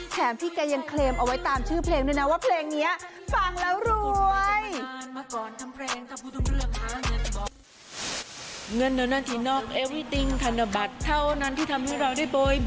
แถมพี่แกยังเคลมเอาไว้ตามชื่อเพลงด้วยนะว่าเพลงนี้ฟังแล้วรวย